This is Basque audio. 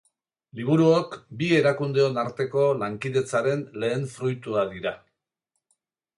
Liburuok bi erakundeon arteko lankidetzaren lehen fruitua dira.